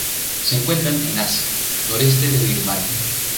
Se encuentran en Asia: noreste de Birmania.